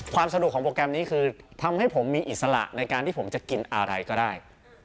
ความสะดวกของโปรแกรมนี้คือทำให้ผมมีอิสระในการที่ผมจะกินอะไรก็ได้